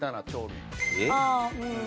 ああうん。